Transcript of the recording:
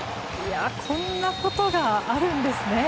こんなことがあるんですね。